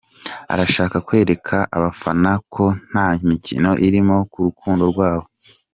Arashaka kwereka abafana ko nta mikino irimo mu rukundo rwabo.